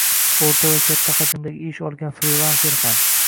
O’rta va katta hajmdagi ish olgan frilanser ham